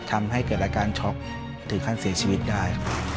ทำให้เกิดอาการช็อกถึงขั้นเสียชีวิตได้